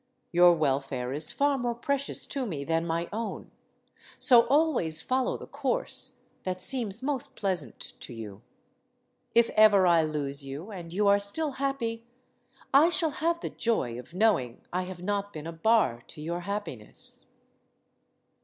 Your welfare is far more precious to me than my own. So always follow the course that seems most pleasant to you. If ever I lose you and you are still happy, I shall have the joy of knowing 1 have not been a bar to your happiness.